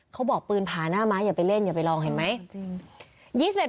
ปืนผาหน้าม้าอย่าไปเล่นอย่าไปลองเห็นไหม